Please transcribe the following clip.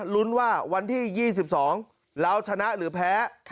ลุ้นว่าวันที่๒๒เราชนะหรือแพ้